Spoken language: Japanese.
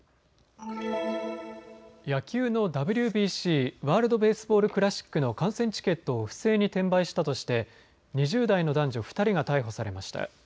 野球のＷＢＣ・ワールド・ベースボール・クラシックの観戦チケットを不正に転売したとして２０代の男女２人が逮捕されました。